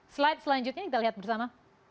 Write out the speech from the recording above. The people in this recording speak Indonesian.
slide selanjutnya kita lihat bersama